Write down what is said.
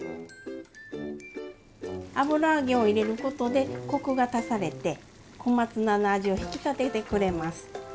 油揚げを入れることでコクが足されて小松菜の味を引き立ててくれます。